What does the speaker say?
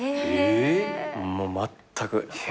もうまったく。